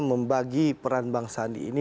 membagi peran bang sandi ini